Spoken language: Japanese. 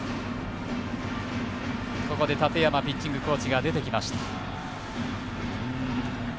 建山ピッチングコーチが出てきました。